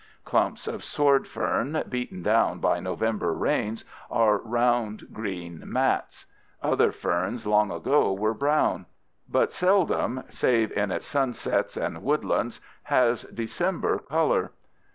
Clumps of sword fern, beaten down by November rains, are round green mats; other ferns long ago were brown. But seldom save in its sunsets and woodlands has December color.